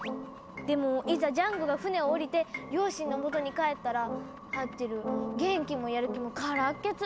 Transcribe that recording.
でもいざジャンゴが船を下りて両親のもとに帰ったらハッチェル元気もやる気もからっけつ。